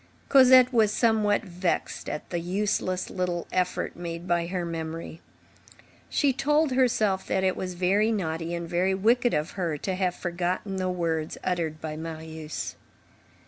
Cosette was somewhat vexed at the useless little effort made by her memory. She told herself, that it was very naughty and very wicked of her, to have forgotten the words uttered by Marius.